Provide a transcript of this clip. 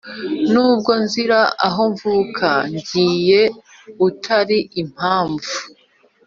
N’ubwo nzira aho mvuka Ngiye utari impamvu